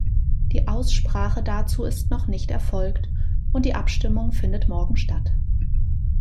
Die Aussprache dazu ist noch nicht erfolgt, und die Abstimmung findet morgen statt.